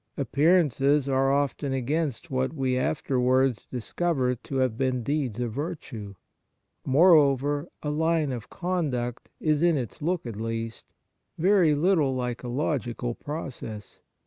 Appearances are often against what we afterwards discover to have been deeds of virtue. Moreover, a line of conduct is, in its look at least, very little like a logical process.